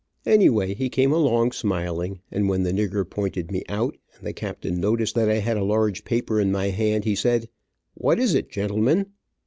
Any way he came along smiling, and when the nigger pointed me out, and the captain noticed that I had a large paper in my hand, he said, "What is it, gentlemen?"